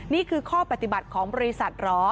นี่คือข้อปฏิบัติของบริษัทเหรอ